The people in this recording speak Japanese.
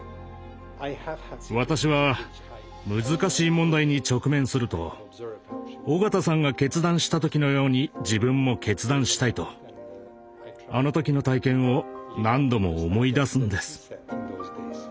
私は難しい問題に直面すると緒方さんが決断した時のように自分も決断したいとあの時の体験を何度も思い出すんです。